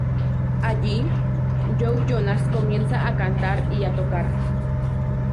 Allí, Joe Jonas comienza a cantar y a tocar.